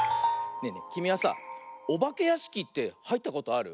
ねえねえきみはさあおばけやしきってはいったことある？